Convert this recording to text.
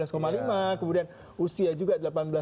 kemudian usia juga delapan belas